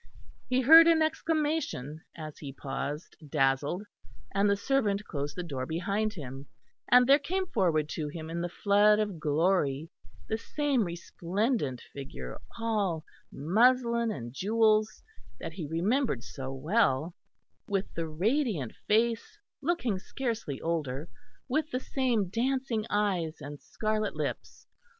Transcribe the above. He heard an exclamation, as he paused, dazzled, and the servant closed the door behind him; and there came forward to him in the flood of glory, the same resplendent figure, all muslin and jewels, that he remembered so well, with the radiant face, looking scarcely older, with the same dancing eyes and scarlet lips.